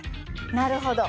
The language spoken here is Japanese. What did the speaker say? なるほど。